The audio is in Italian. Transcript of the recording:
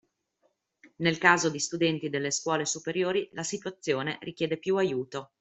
Nel caso di studenti delle scuole superiori la situazione richiede più aiuto